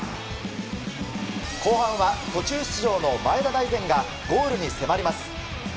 後半は途中出場の前田大然がゴールに迫ります。